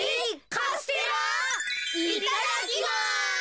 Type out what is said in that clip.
いただきます！